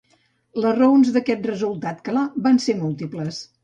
Les raons d'aquest resultat clar van ser múltiples.